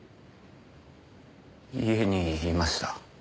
家にいました。